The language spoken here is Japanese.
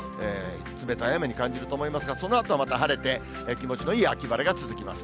冷たい雨に感じると思いますが、そのあとはまた晴れて、気持ちのいい秋晴れが続きます。